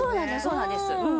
そうなんです。